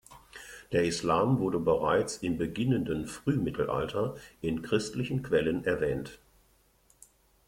Der Islam wurde bereits im beginnenden Frühmittelalter in christlichen Quellen erwähnt.